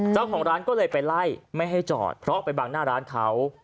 เจ้าของร้านก็เลยไปไล่ไม่ให้จอดเพราะไปบังหน้าร้านเขา